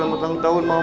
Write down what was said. selamat ulang tahun mama